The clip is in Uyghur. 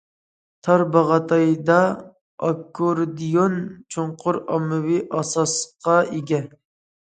تارباغاتايدا ئاككوردىيون چوڭقۇر ئاممىۋى ئاساسقا ئىگە.